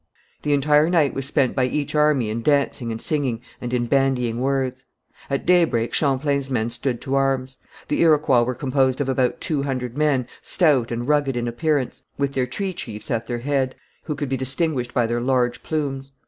The entire night was spent by each army in dancing and singing, and in bandying words. At daybreak Champlain's men stood to arms. The Iroquois were composed of about two hundred men, stout and rugged in appearance, with their three chiefs at their head, who could be distinguished by their large plumes.